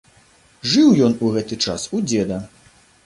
Жыў ён у гэты час у дзеда.